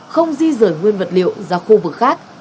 không di rời nguyên vật liệu ra khu vực khác